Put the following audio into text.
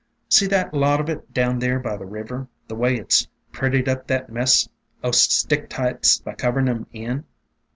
See that lot of it down there by the river, the way it 's prettied up that mess o' Sticktights by coverin' 'em in